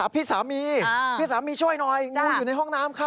พี่สามีพี่สามีช่วยหน่อยงูอยู่ในห้องน้ำค่ะ